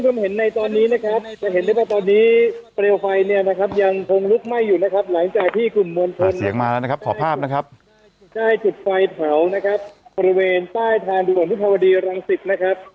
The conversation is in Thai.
ใต้จุดไฟเถานะครับบริเวณใต้ทางหิภาวดีรังศิษนะครับ